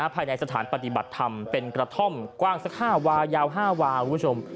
ภายในสถานปฏิบัติธรรมเป็นกระท่อมกว้างสัก๕วายาว๕วาคุณผู้ชม